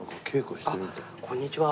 あっこんにちは。